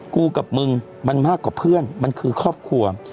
กูกับมึงมันมากกว่าเพื่อนมันคือครอบครัว